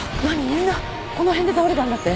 みんなこの辺で倒れたんだって！？